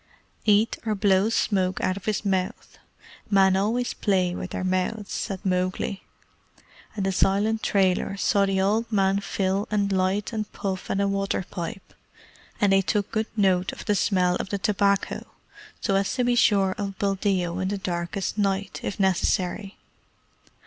"Eat or blow smoke out of his mouth. Men always play with their mouths," said Mowgli; and the silent trailers saw the old man fill and light and puff at a water pipe, and they took good note of the smell of the tobacco, so as to be sure of Buldeo in the darkest night, if necessary.